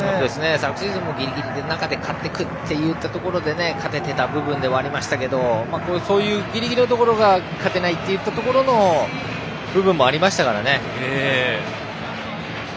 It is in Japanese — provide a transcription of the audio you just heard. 昨シーズンもギリギリの中で勝っていく中で勝てていた部分ではありましたがそういうギリギリのところが勝てないといったところの部分もありましたからね。